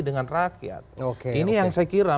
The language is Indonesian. dengan rakyat oke ini yang saya kira